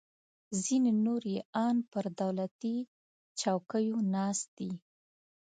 ځینې نور یې ان پر دولتي چوکیو ناست دي